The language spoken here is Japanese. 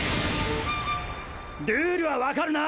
ルールはわかるな！